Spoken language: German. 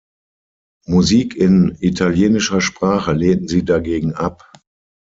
Musik in italienischer Sprache lehnten sie dagegen ab.